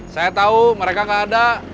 saya tau mereka gak ada